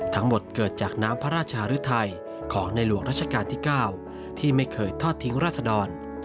ทั้งหมดเกิดจากน้ำพระราชหรือไทยของในหลวงราชการที่๙ที่ไม่เคยทอดทิ้งราศดร